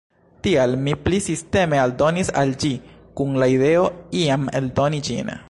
Tial mi pli sisteme aldonis al ĝi, kun la ideo iam eldoni ĝin.